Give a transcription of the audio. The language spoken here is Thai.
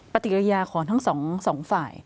ปฏิกิริยาของทั้งสองฝ่าย